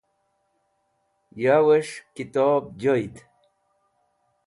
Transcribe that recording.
Yawes̃h Kitob Joyd